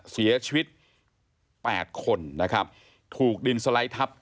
เสียชีวิตแปดคนถูกดินสไลด์ทับ